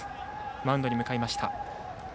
マウンドに向かいました。